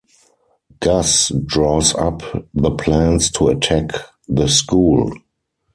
Gus draws up the plans to attack the school.